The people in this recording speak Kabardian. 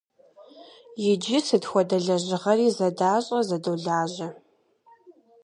Иджы сыт хуэдэ лэжьыгъэри зэдащӀэ, зэдолажьэ.